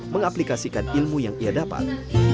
mengaplikasikan ilmu yang ia dapat